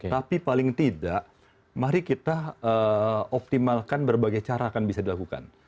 tapi paling tidak mari kita optimalkan berbagai cara akan bisa dilakukan